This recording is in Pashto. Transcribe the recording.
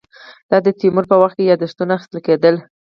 د تیمور په وخت کې یاداښتونه اخیستل کېدل.